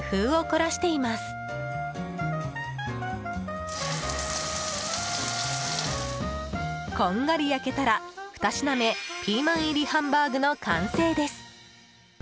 こんがり焼けたら２品目、ピーマン入りハンバーグの完成です。